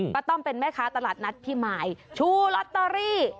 ต้อมเป็นแม่ค้าตลาดนัดพี่มายชูลอตเตอรี่